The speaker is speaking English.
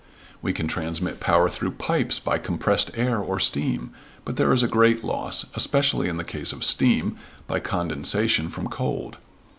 We can transmit power through pipes by compressed air or steam, but there is a great loss, especially in the case of steam, by condensation from cold.